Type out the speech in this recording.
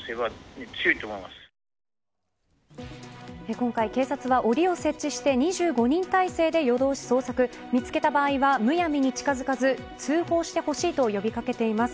今回警察はおりを設置して２５人態勢で夜通し捜索見つけた場合はむやみに近づかず通報してほしいと呼び掛けています。